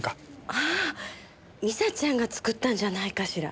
ああ未紗ちゃんが作ったんじゃないかしら。